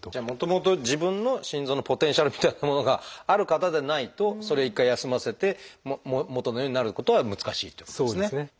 もともと自分の心臓のポテンシャルみたいなものがある方でないとそれ一回休ませて元のようになることは難しいということですね。